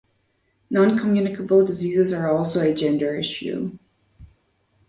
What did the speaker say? Non-communicable diseases are also a gender issue.